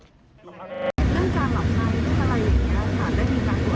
เรื่องการหลักท้ายอะไรแบบนี้อาจได้มีการถัดบอก